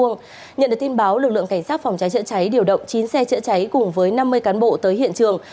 nhận được tin báo lực lượng cảnh sát phòng cháy chữa cháy điều động chín xe chữa cháy cùng với năm mươi cán bộ tới hiện trường